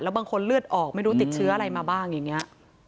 บางคนเลือดออกไม่รู้ติดเชื้ออะไรมาบ้างอย่างนี้